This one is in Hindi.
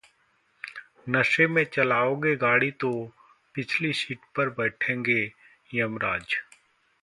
नशे में चलाओगे गाड़ी तो पिछली सीट पर बैठेंगे यमराज